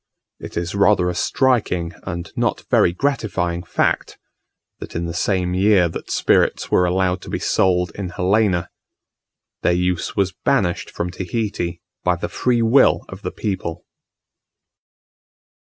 It is rather a striking and not very gratifying fact, that in the same year that spirits were allowed to be sold in Helena, their use was banished from Tahiti by the free will of the people.